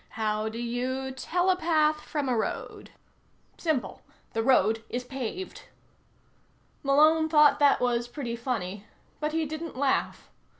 How do you telepath from a road? Simple. The road is paved. Malone thought that was pretty funny, but he didn't laugh.